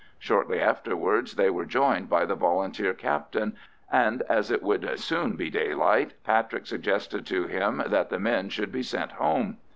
Shortly afterwards they were joined by the Volunteer captain, and as it would soon be daylight, Patrick suggested to him that the men should be sent home.